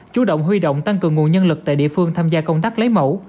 chú động huy động tăng cường nguồn nhân lực tại địa phương tham gia công tác lấy mẫu